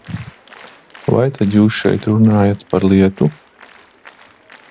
Vai tad jūs šeit runājāt par lietu?